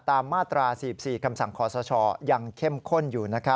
มาตรา๔๔คำสั่งขอสชยังเข้มข้นอยู่